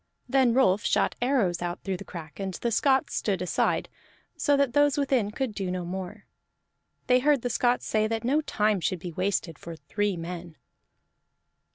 Then Rolf shot arrows out through the crack, and the Scots stood aside, so that those within could do no more. They heard the Scots say that no time should be wasted for three men.